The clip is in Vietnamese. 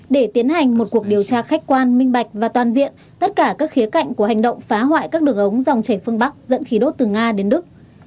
để tiến hành một cuộc điều tra khách quan minh bạch và toàn diện tất cả các khía cạnh của hành động phá hoại các đường ống dòng chảy phương bắc dẫn khí đốt từ nga đến đức